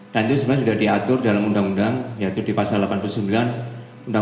dan itu sebenarnya sudah diatur dalam undang undang yaitu di pasal delapan puluh sembilan undang undang delapan puluh satu